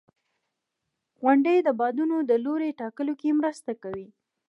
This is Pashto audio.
• غونډۍ د بادونو د لوري ټاکلو کې مرسته کوي.